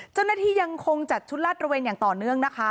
เจ้าหน้าที่ยังคงจัดชุดลาดระเวนอย่างต่อเนื่อง